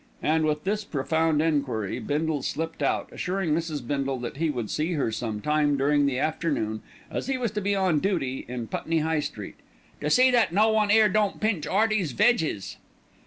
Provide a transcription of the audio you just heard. and with this profound enquiry Bindle slipped out, assuring Mrs. Bindle that he would see her some time during the afternoon as he was to be on duty in Putney High Street, "to see that no one don't pinch 'Earty's veges."